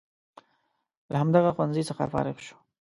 له همدغه ښوونځي څخه فارغ شو.